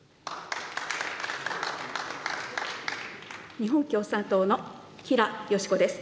日本共産党の吉良よし子です。